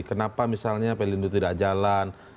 kenapa misalnya pelindo tidak jalan